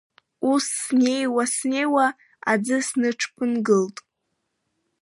Ус снеиуа, снеиуа аӡы сныҽԥынгылт.